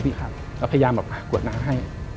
พยายามกรวดน้ำให้